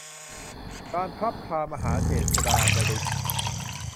ลานพลับพลามหาเจษฎาบดินทร์